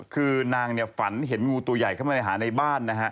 คือนางเนี่ยฝันเห็นงูตัวใหญ่เข้ามาหาในบ้านนะฮะ